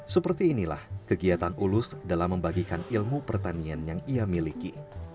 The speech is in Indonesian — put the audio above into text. seperti inilah kegiatan ulus dalam membagikan ilmu pertanian yang ia miliki